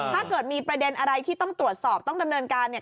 ถ้าเกิดมีประเด็นอะไรที่ต้องตรวจสอบต้องดำเนินการเนี่ย